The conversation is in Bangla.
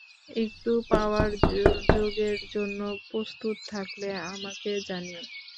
একটু পাওয়ার যোগের জন্য প্রস্তুত থাকলে আমাকে জানিও।